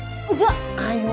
jangan di kamar yuk